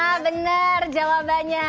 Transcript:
ah bener jawabannya